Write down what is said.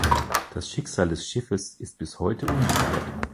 Das Schicksal des Schiffes ist bis heute ungeklärt.